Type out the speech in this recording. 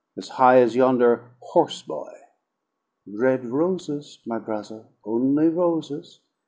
As high as yonder horse boy!" "Red roses, my brother, only roses.